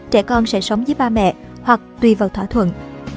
trẻ con sẽ sống với ba mẹ hoặc tùy vào thỏa thuận